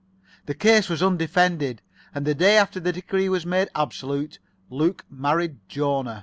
The case was undefended, and the day after the decree was made absolute Luke married Jona.